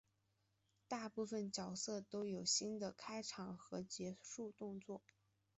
大部分的角色都有新的开场和结束动作。